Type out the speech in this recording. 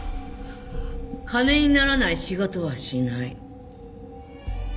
金にならない仕事はしない。